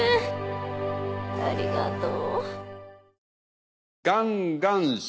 ありがとう。